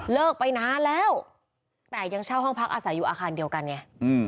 เลิกไปนานแล้วแต่ยังเช่าห้องพักอาสายุอาคารเดียวกันเนี่ย